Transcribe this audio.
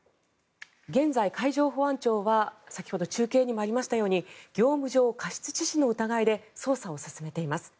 現在、海上保安庁は先ほど中継にもありましたように業務上過失致死の疑いで捜査を進めています。